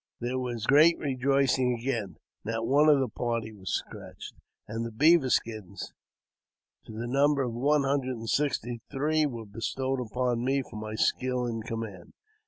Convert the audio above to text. There was great rejoicing again (not one of our party was scratched), and the beaver skins, to the number of one hundred and sixty three, were bestowed upon me for my skill in command.